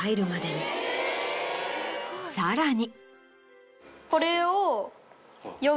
さらに。